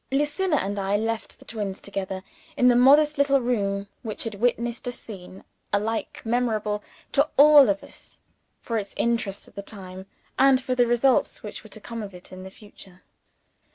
Lucilla and I left the twins together, in the modest little room which had witnessed a scene alike memorable to all of us for its interest at the time, and for the results which were to come of it in the future.